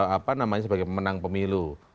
apa namanya sebagai pemenang pemilu